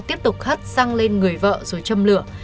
tiếp tục hắt xăng lên người vợ rồi châm lửa